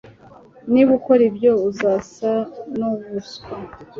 Niba ukora ibyo uzasa nubuswa